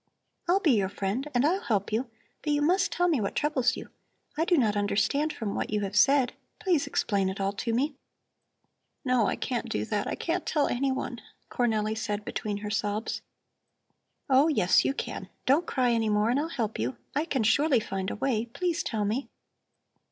I'll be your friend and I'll help you, but you must tell me what troubles you. I do not understand from what you have said. Please explain it all to me." "No, I can't do that, I can't tell anyone," Cornelli said between her sobs. "Oh, yes, you can. Don't cry any more and I'll help you. I can surely find a way. Please tell me."